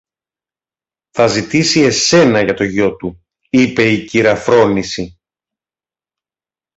Θα ζητήσει εσένα για το γιο του, είπε η κυρα-Φρόνηση.